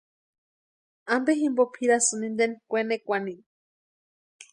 ¿Ampe jimpo pʼirasïni inteni kwenekwani?